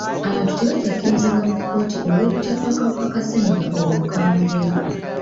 Abantu tebakyakkirizibwa mu kkooti olw'okutya kw'akawuka ka ssenyigga omukambwe.